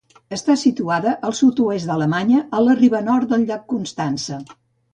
Està situada al sud-oest d'Alemanya a la riba nord del llac Constança.